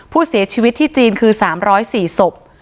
ผู้เสียชีวิตที่จีนคือ๓๐๔ศพ